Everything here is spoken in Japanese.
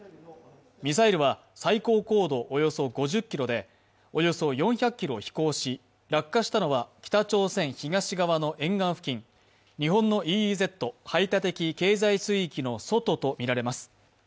ミサイルは最高高度およそ５０ｋｍで、およそ４００ｋｍ飛行し、落下したのは北朝鮮東側の沿岸付近、日本のＥＥＺ＝排他的経済水域の外とみられます。